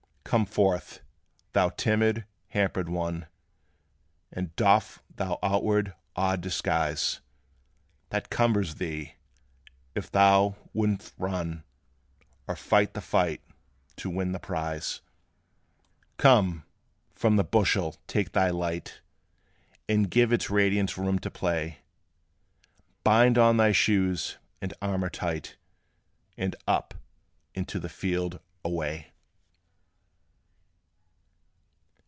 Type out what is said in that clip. Come forth, thou timid, hampered one, And doff that outward, odd disguise, That cumbers thee, if thou wouldst run, Or fight the fight, to win the prize. Come! from the bushel take thy light, And give its radiance room to play; Bind on thy shoes and armor tight, And up, and to the field away!